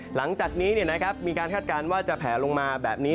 หลังจากนี้มีการคาดการณ์ว่าจะแผลลงมาแบบนี้